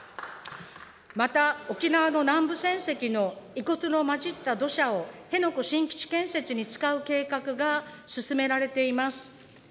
また、沖縄の南部戦跡の遺骨の交じった土砂を辺野古新基地建設に使う計画が進められています。